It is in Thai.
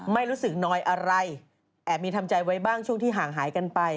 ไม่รู้สึกน้อยอะไรแอบมีทำใจไว้บ้างช่วงที่ห่างหายกันไป